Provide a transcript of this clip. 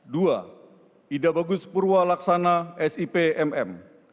dua idabagus purwa laksana sipmm